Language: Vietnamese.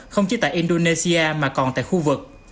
không chỉ tại indonesia mà còn tại khu vực